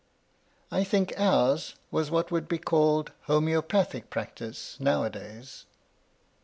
I think ours was what would be called homoeopathic practice now a days.